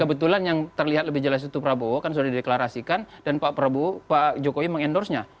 kebetulan yang terlihat lebih jelas itu prabowo kan sudah dideklarasikan dan pak prabowo pak jokowi mengendorse nya